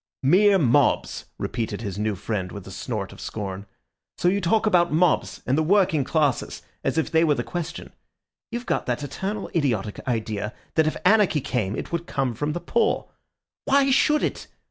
"Mere mobs!" repeated his new friend with a snort of scorn. "So you talk about mobs and the working classes as if they were the question. You've got that eternal idiotic idea that if anarchy came it would come from the poor. Why should it?